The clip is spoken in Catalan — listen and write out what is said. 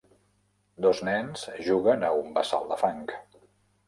Dos nens juguen a un bassal de fang.